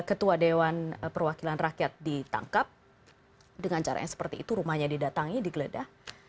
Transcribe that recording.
ketua dewan perwakilan rakyat ditangkap dengan caranya seperti itu rumahnya didatangi digeledah